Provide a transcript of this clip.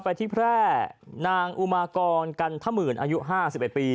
ไปที่แพร่นางอุมากรกันทหมื่นอายุ๕๑ปี